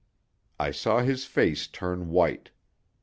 I saw his face turn white.